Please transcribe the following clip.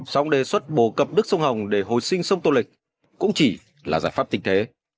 xong đề xuất bổ cập đức sông hồng để hồi sinh sông tô lịch cũng chỉ là giải pháp tình thế